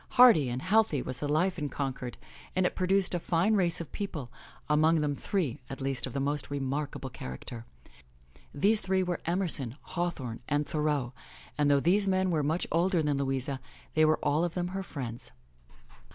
Hearty and healthy was the life in Concord and it produced a fine race of people, among them three, at least, of most remarkable character. These three were Emerson, Hawthorne and Thoreau, and though these men were much older than Louisa, they were all of them her friends.